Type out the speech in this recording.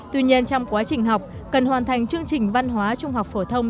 tuy nhiên trong quá trình học cần hoàn thành chương trình văn hóa trung học phổ thông